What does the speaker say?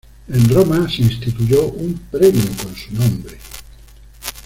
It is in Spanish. En Roma se instituyó un premio con su nombre.